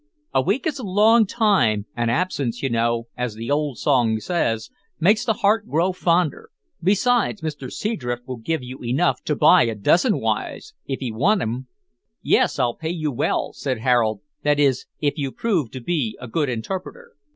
A week is a long time, an' absence, you know, as the old song says, makes the heart grow fonder; besides, Mr Seadrift will give you enough to buy a dozen wives, if 'ee want 'em." "Yes, I'll pay you well," said Harold; "that is, if you prove to be a good interpreter."